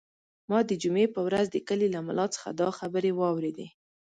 ما د جمعې په ورځ د کلي له ملا څخه دا خبرې واورېدې.